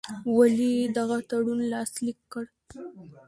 ولي یې دغه تړون لاسلیک کړ.